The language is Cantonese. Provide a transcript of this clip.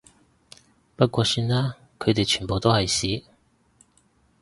不過算啦，佢哋全部都係屎